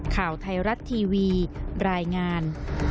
ข่าวไทยรัฐทีวีรายงาน